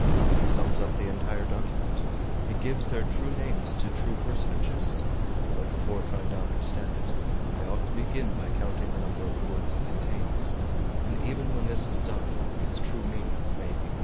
It sums up the entire document. It gives their true names to true personages; but before trying to understand it I ought to begin by counting the number of words it contains, and even when this is done its true meaning may be missed."